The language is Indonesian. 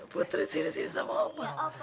putri sini sini sama papa